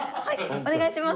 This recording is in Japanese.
お願いします。